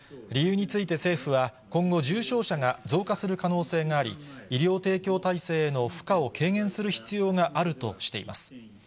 理由について政府は、今後、重症者が増加する可能性があり、医療提供体制への負荷を軽減する必要があるとしています。